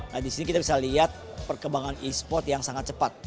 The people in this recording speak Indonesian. nah di sini kita bisa lihat perkembangan e sport yang sangat cepat